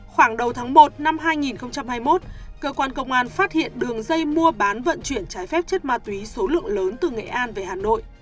khoảng đầu tháng một năm hai nghìn hai mươi một cơ quan công an phát hiện đường dây mua bán vận chuyển trái phép chất ma túy số lượng lớn từ nghệ an về hà nội